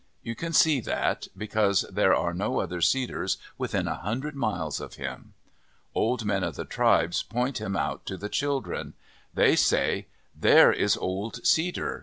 You can see that because there are no other cedars within a hundred miles of him. Old men of the tribes point him out to the children. They say, " There is Old Cedar.